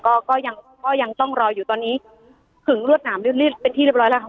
ก็ก็ยังก็ยังต้องรออยู่ตอนนี้ถึงรวดหนามลื่นเป็นที่เรียบร้อยแล้วค่ะ